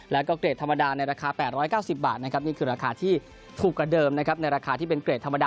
แล้วก็เกรดธรรมดาในราคา๘๙๐บาทนี่คือราคาที่ถูกกับเดิมในราคาที่เป็นเกรดธรรมดา